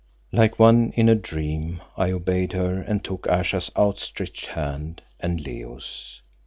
Like one in a dream I obeyed her and took Ayesha's outstretched hand and Leo's.